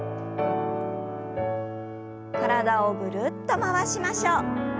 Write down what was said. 体をぐるっと回しましょう。